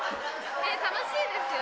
楽しいですよ。